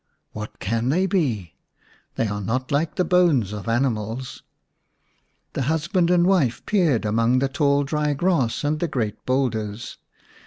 What can they be ? They are not like the bones of animals." The husband and wife peered among the tall dry grass and the great boulders.